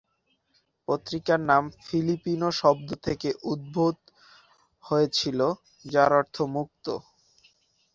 পত্রিকার নাম ফিলিপিনো শব্দ থেকে উদ্ভূত হয়েছিল যার অর্থ "মুক্ত"।